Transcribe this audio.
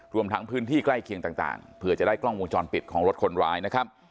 รวมทั้งพื้นที่ใกล้เคียงต่างเผื่อจะได้กล้องวงจรปิดของรถคนร้ายนะครับ